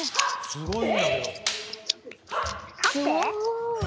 すごい。